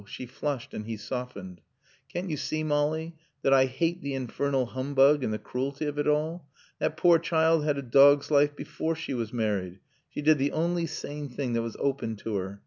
She flushed, and he softened. "Can't you see, Molly, that I hate the infernal humbug and the cruelty of it all? That poor child had a dog's life before she married. She did the only sane thing that was open to her.